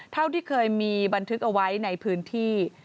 เท่าที่เคยมีบันทึกเอาไว้ในพื้นที่